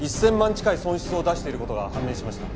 近い損失を出している事が判明しました。